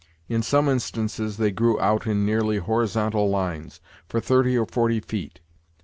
In some instances they grew out in nearly horizontal lines, for thirty or forty feet.